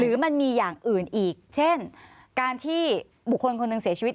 มันมีอย่างอื่นอีกเช่นการที่บุคคลคนหนึ่งเสียชีวิต